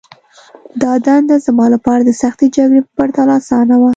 دا دنده زما لپاره د سختې جګړې په پرتله آسانه وه